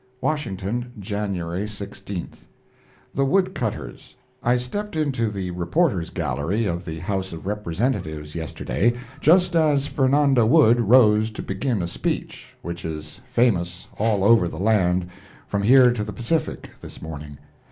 WASHINGTON, January 16th. The Wood Cutters. I stepped into the reporters' gallery of the House of Representatives, yesterday, just as Fernando Wood rose to begin a speech, which is famous all over the land, from here to the Pacific, this morning.